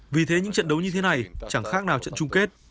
vì thế những trận đấu như thế này chẳng khác nào trận chung kết